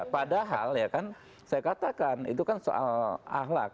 padahal ya kan saya katakan itu kan soal ahlak